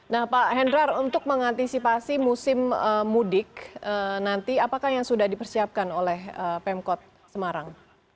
nah pak hendrar untuk mengantisipasi musim mudik nanti apakah yang sudah dipersiapkan oleh pemkot semarang